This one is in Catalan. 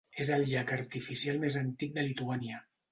És el llac artificial més antic de Lituània.